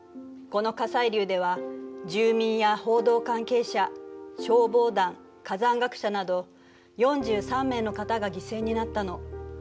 この火砕流では住民や報道関係者消防団火山学者など４３名の方が犠牲になったの。